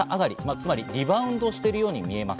つまりリバウンドしているように見えます。